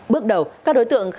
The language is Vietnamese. bước đầu các đối tượng khai hóa